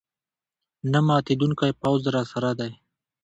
نه ماتېدونکی پوځ راسره دی.